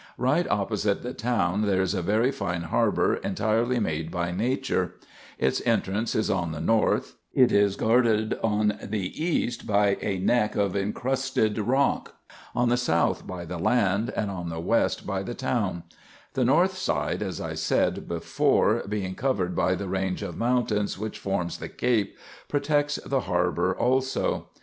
Right opposite the town there is a very fine harbour entirely made by nature ; its entrance is on the north, it is guarded on the east by a neck of incrusted rock, on the south by the land, and on the west by the town ; the north side, as I said before, being covered by the range of mountains which forms the cape, protects the harbour also.